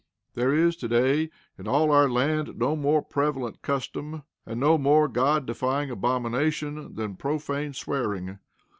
There is to day in all our land no more prevalent custom, and no more God defying abomination, than profane swearing.